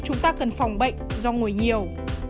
bốn chúng ta cần phòng bệnh do ngồi nhiều